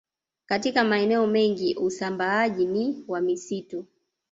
Katika maeneo mengi usambaaji ni wa msimu